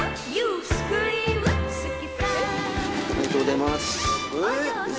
ありがとうございます。